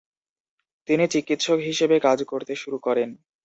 তিনি চিকিৎসক হিসেবে কাজ করতে শুরু করেন।